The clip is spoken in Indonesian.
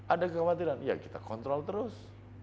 ada kekhawatiran ya kita kontrol terus